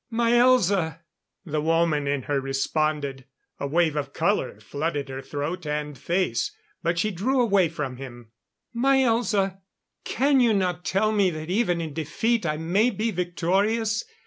My Elza " The woman in her responded. A wave of color flooded her throat and face. But she drew away from him. "My Elza! Can you not tell me that even in defeat I may be victorious?